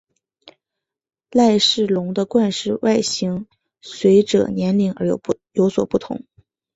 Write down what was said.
赖氏龙的冠饰外形随者年龄而有所不同。